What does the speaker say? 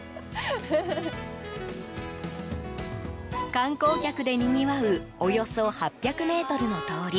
観光客でにぎわうおよそ８００ｍの通り。